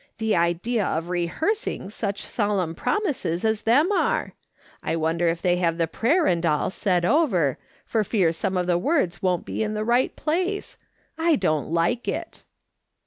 The idea of rehear siiuj such solemn promises as them are ! I wonder if they have the prayer and all said over, for fear some of the words won't be in the right place ? I don't Hke it."